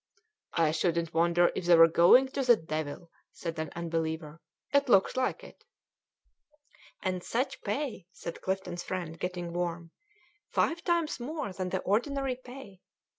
"I shouldn't wonder if they were going to the devil," said an unbeliever: "it looks like it." "And such pay," said Clifton's friend, getting warm "five times more than the ordinary pay.